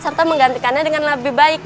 dan menantikannya dengan lebih baik